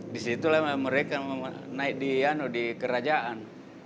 di situ lah mereka naik di yano di kerajaan